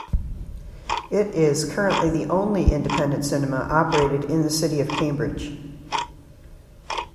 It is currently the only independent cinema operated in the city of Cambridge.